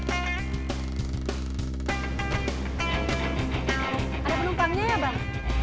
ada penumpangnya ya bang